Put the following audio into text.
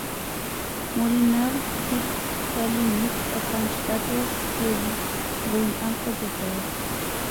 Molinares hit Starling with a punch that was clearly thrown after the bell.